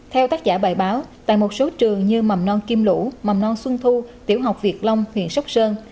theo tác giả bài báo tại một số trường như mầm non kim lũ mầm non xuân thu tiểu học việt long huyện sóc sơn